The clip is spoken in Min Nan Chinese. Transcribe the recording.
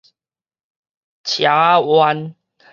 斜仔灣